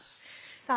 さあ